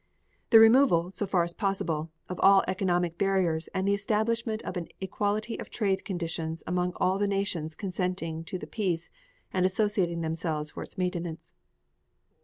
The removal, so far as possible, of all economic barriers and the establishment of an equality of trade conditions among all the nations consenting to the peace and associating themselves for its maintenance.